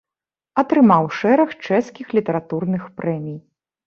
Атрымаў шэраг чэшскіх літаратурных прэмій.